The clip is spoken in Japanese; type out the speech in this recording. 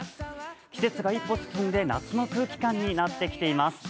季節が一歩進んで夏の空気感になってきています。